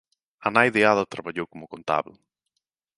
A nai de Ada traballou como contábel.